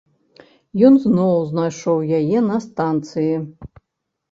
Ён зноў знайшоў яе на станцыі.